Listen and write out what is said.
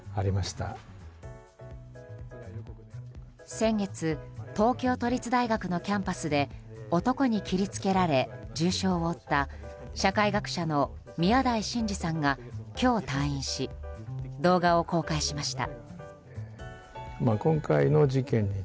先月東京都立大学のキャンパスで男に切り付けられ重傷を負った社会学者の宮台真司さんが今日退院し動画を公開しました。